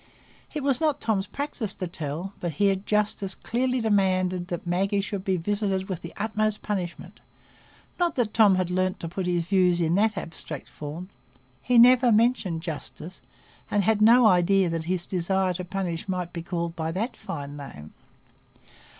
It was not Tom's practice to "tell," but here justice clearly demanded that Maggie should be visited with the utmost punishment; not that Tom had learned to put his views in that abstract form; he never mentioned "justice," and had no idea that his desire to punish might be called by that fine name.